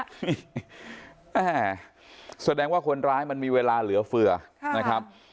แม่แสดงว่าคนร้ายมันมีเวลาเหลือเฟือนะครับ